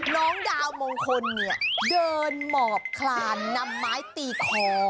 น้องดาวมงคลเนี่ยเดินหมอบคลานนำไม้ตีคอ